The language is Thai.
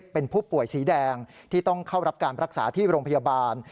เป็นผู้ป่วยสีแดงที่ต้องเข้ารับการรักษาที่โรงพยาบาล